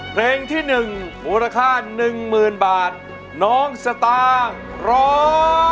เพลงที่๑มูลค่าหนึ่งหมื่นบาทน้องสตางค์ร้อง